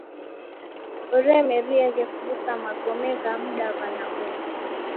Oremerieghe kuw'usa magome gha mdaw'ana umu!